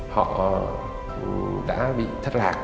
họ đã bị thất lạc